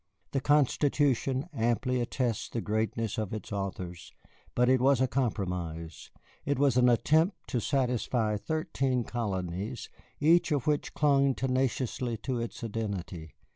The Constitution amply attests the greatness of its authors, but it was a compromise. It was an attempt to satisfy thirteen colonies, each of which clung tenaciously to its identity.